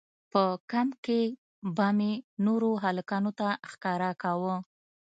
په کمپ کښې به مې نورو هلکانو ته ښکاره کاوه.